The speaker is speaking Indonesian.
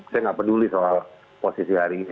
saya nggak peduli soal posisi hari ini